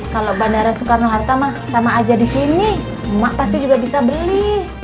kalau bandara soekarno hatta mah sama aja di sini pasti juga bisa beli